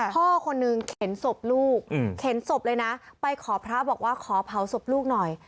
พ่อคนนึงเข็นศพลูกเข็นศพเลยนะไปขอพระบอกว่าขอเผาศพลูกหน่อย